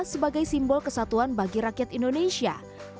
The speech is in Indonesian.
sebagai simbol kesatuan bagi rakyat indonesia